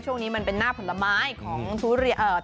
ช่วงนี้มันเป็นหน้าผลไม้ของทุเรียน